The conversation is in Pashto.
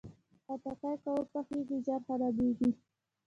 خټکی که وپوخېږي، ژر خرابېږي.